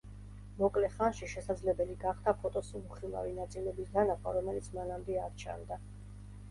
მოკლე ხანში შესაძლებელი გახდა ფოტოს იმ უხილავი ნაწილების დანახვა, რომელიც მანამდე არ ჩანდა.